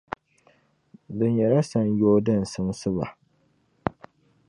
Di nyɛla sanyoo din simsi ba.